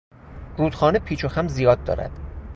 رودخانه پیچ و خم زیاد دارد.